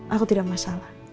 aku tidak masalah